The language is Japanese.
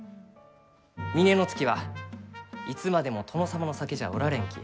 峰乃月はいつまでも殿様の酒じゃおられんき。